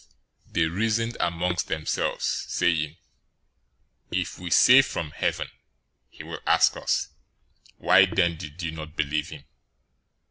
They reasoned with themselves, saying, "If we say, 'From heaven,' he will ask us, 'Why then did you not believe him?'